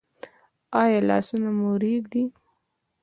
ایا لاسونه مو ریږدي؟